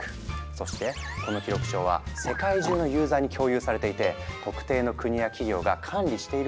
そしてこの記録帳は世界中のユーザーに共有されていて特定の国や企業が管理しているわけではない。